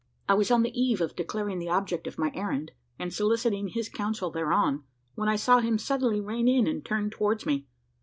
I was on the eve of declaring the object of my errand, and soliciting his counsel thereon, when I saw him suddenly rein in, and turn towards me.